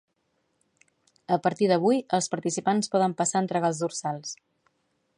A partir d'avui, els participants poden passar a entregar els dorsals.